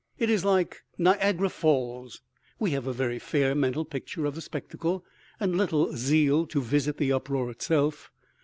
It is like Niagara Falls: we have a very fair mental picture of the spectacle and little zeal to visit the uproar itself.